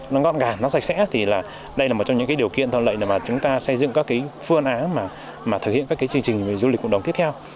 nó ngọn gà nó sạch sẽ thì là đây là một trong những điều kiện thân lợi để chúng ta xây dựng các phương án mà thực hiện các chương trình du lịch cộng đồng tiếp theo